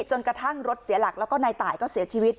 จนกระทั่งรถเสียหลักแล้วก็นายตายก็เสียชีวิต